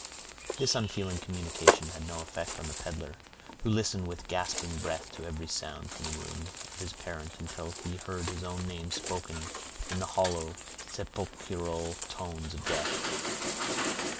This unfeeling communication had no effect on the peddler, who listened with gasping breath to every sound from the room of his parent until he heard his own name spoken in the hollow, sepulchral tones of death.